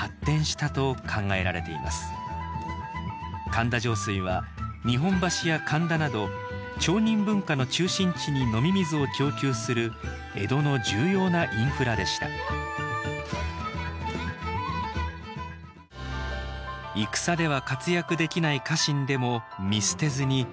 神田上水は日本橋や神田など町人文化の中心地に飲み水を供給する江戸の重要なインフラでした戦では活躍できない家臣でも見捨てずに違った能力を見いだす。